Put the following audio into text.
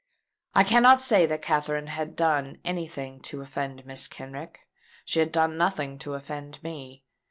I cannot say that Katherine had done any thing to offend Mrs. Kenrick. She had done nothing to offend me.